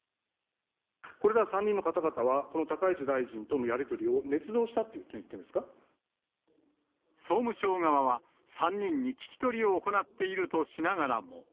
これら３人の方々は、この高市大臣とのやり取りをねつ造したっていうことを言ってるん総務省側は、３人に聞き取りを行っているとしながらも。